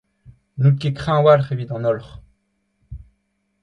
N'out ket kreñv a-walc'h evit an holc'h.